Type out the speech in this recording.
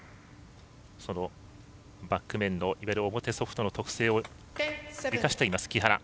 バック面の表ソフトの特性を生かしています木原。